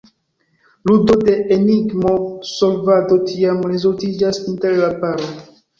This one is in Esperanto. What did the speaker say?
Ludo de enigmo-solvado tiam rezultiĝas inter la paro.